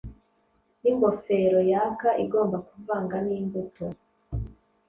Ningofero yakaigomba kuvanga nimbuto